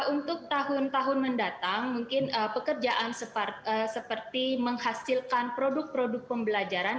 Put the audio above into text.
untuk tahun tahun mendatang mungkin pekerjaan seperti menghasilkan produk produk pembelajaran